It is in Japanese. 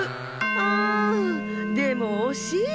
あんでもおしい。